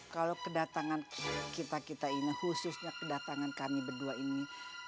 kalau kedatangan kita kita ini khususnya kedatangan kami berdua ini